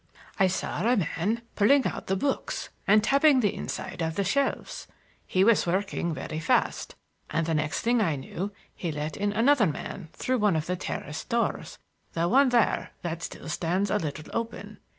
"I saw a man pulling out the books and tapping the inside of the shelves. He was working very fast. And the next thing I knew he let in another man through one of the terrace doors,—the one there that still stands a little open."